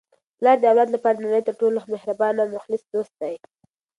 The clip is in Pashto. پلار د اولاد لپاره د نړۍ تر ټولو مهربانه او مخلص دوست دی.